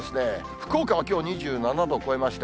福岡はきょう２７度超えました。